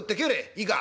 いいか？